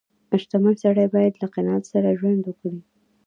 • شتمن سړی باید له قناعت سره ژوند وکړي.